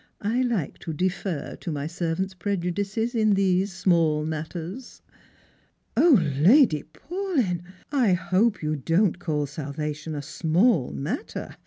I like to defer to my servants' prejudices in these small matters." " O Lady Paulyn, I hope you don't call salvation a small matter